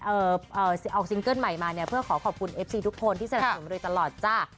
เอ่อเอาซิงเกิ้ลใหม่มาเนี่ยเพื่อขอขอบคุณเอฟซีทุกคนที่สนับสนุนโดยตลอดจ้ะ